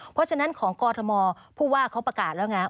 เพราะฉะนั้นของกรทมผู้ว่าเขาประกาศแล้วไง